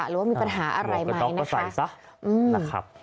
หรือว่ามีปัญหาอะไรไหมนะครับนะครับ